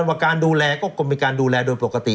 ว่าการดูแลก็คงมีการดูแลโดยปกติ